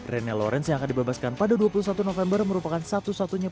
rene lawrence yang akan dibebaskan pada dua puluh satu november merupakan satu satunya